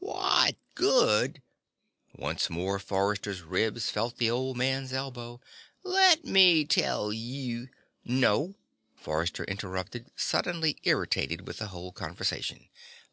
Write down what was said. "What good?" Once more Forrester's rib felt the old man's elbow. "Let me tell you " "No," Forrester interrupted, suddenly irritated with the whole conversation.